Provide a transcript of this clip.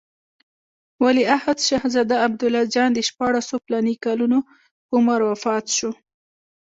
ولیعهد شهزاده عبدالله جان د شپاړسو فلاني کالو په عمر وفات شو.